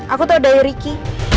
aku tau dari ricky